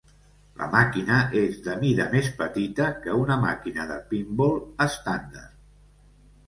La màquina és de mida més petita que una màquina de pin-ball estàndard.